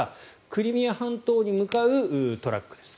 クリミア半島に向かうトラックです。